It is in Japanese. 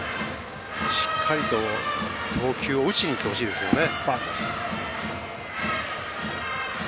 しっかりと投球を打ちに行ってほしいですね。